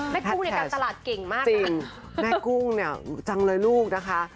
กุ้งในการตลาดเก่งมากจริงแม่กุ้งเนี่ยจังเลยลูกนะคะ